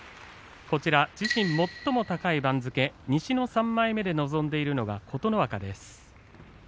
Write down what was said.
自身最も高い番付、西の３枚目で臨んでいるのが琴ノ若です。